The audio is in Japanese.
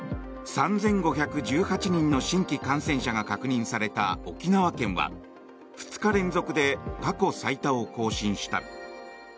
３５１８人の新規感染者が確認された沖縄県は２日連続で過去最多を更新した。